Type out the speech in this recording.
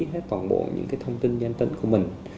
hết toàn bộ những thông tin danh tính của mình